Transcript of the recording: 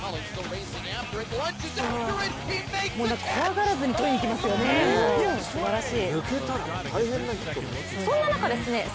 怖がらずにとりに行きますよね、すばらしい。